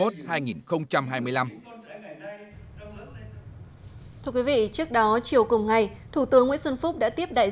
thưa quý vị trước đó chiều cùng ngày thủ tướng nguyễn xuân phúc đã tiếp tục đề nghị